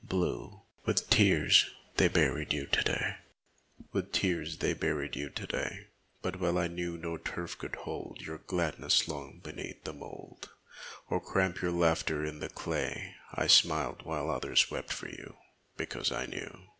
141 WITH TEARS THEY BURIED YOU TO DAY With tears they buried you to day, But well I knew no turf could hold Your gladness long beneath the mould, Or cramp your laughter in the clay; I smiled while others wept for you Because I knew.